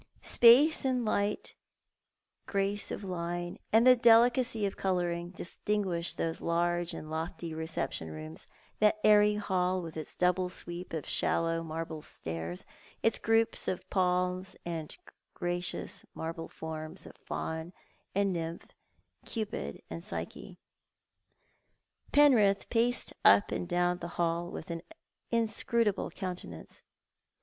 Space and light, grace of line, and delicacy of colouring distinguished those large and lofty reception rooms, that airy hall, with its double sweep of sliallow marble stairs, its groups of palms, and gracious marble forms of Fawn and Nymph, Cupid and Psyche. Penrith paced up and down the hall with an inscrutable coxmtenance.